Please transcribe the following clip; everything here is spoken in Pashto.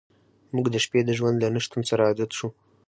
موږ د شپې د ژوند له نشتون سره عادت شو